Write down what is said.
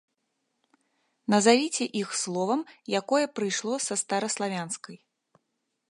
Назавіце іх словам, якое прыйшло са стараславянскай.